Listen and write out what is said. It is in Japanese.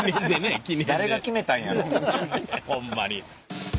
ほんまに。